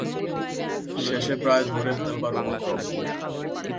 শেষে প্রায় ধরে ফেলবার উপক্রম।